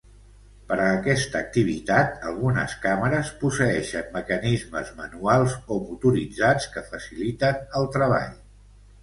Per a aquesta activitat algunes càmeres posseeixen mecanismes manuals o motoritzats que faciliten el treball.